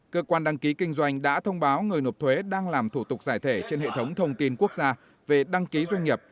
cơ quan đăng ký kinh doanh đã thông báo người nộp thuế đang làm thủ tục giải thể trên hệ thống thông tin quốc gia về đăng ký doanh nghiệp